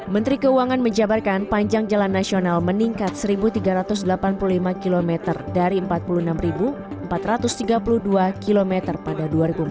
menteri keuangan menjabarkan panjang jalan nasional meningkat satu tiga ratus delapan puluh lima km dari empat puluh enam empat ratus tiga puluh dua km pada dua ribu empat belas